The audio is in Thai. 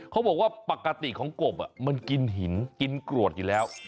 เขาบอกว่าปกติของกบมันกินหินกินกรวดอยู่แล้ว